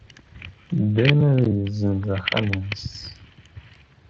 Dan ad yessenz axxam-nnes.